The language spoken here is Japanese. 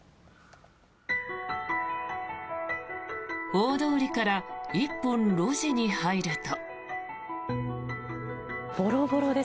大通りから１本路地に入ると。